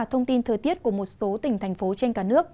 đây là thông tin thời tiết của một số tỉnh thành phố trên cả nước